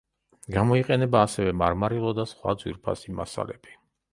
გამოიყენება ასევე მარმარილო და სხვა ძვირფასი მასალები.